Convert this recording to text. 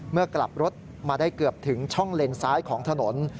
กลับรถมาได้เกือบถึงช่องเลนซ้ายของถนน